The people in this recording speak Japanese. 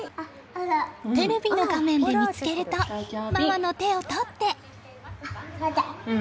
テレビの画面で見つけるとママの手を取って。